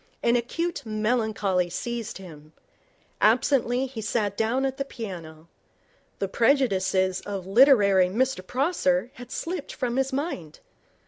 An acute melancholy seized him. Absently, he sat down at the piano. The prejudices of literary Mr Prosser had slipped from his mind.